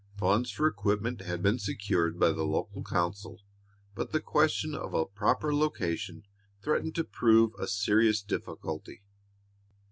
Funds for equipment had been secured by the local council, but the question of a proper location threatened to prove a serious difficulty.